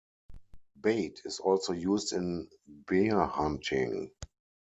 Bait is also used in bear hunting.